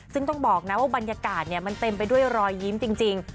ซึ่งต้องบอกนะว่าบรรยากาศมันเต็มไปด้วยรอยยิ้มจริง